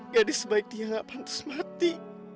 gadis sebaik dia gak pantas mati